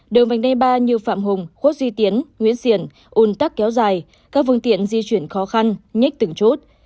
đường vành đê ba như phạm hùng khuất duy tiến nguyễn xiển un tắc kéo dài các vương tiện di chuyển khó khăn nhích từng chút